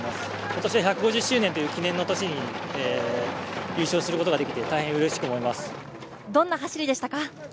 今年は１５０周年という記念の年市に優勝することができてどんな走りでしたか？